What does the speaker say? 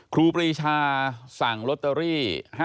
ครูปรีชาสั่งลอตเตอรี่